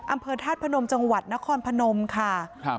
อำเภอธาตุพนมจังหวัดนครพนมค่ะครับ